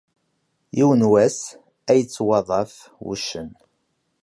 Yiwen wass ay yettwaḍḍaf wuccen.